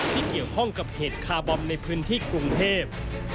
ที่เกี่ยวข้องกับเหตุคาร์บอมในพื้นที่กรุงเทพ